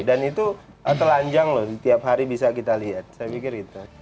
dan itu telanjang loh tiap hari bisa kita lihat saya pikir itu